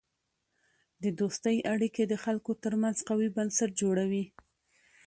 د دوستی اړیکې د خلکو ترمنځ قوی بنسټ جوړوي.